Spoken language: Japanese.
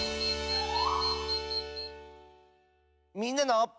「みんなの」。